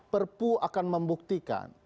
perpu akan membuktikan